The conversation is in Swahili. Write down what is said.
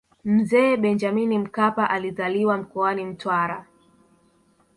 mzee benjamini mkapa alizaliwa mkoani mtwara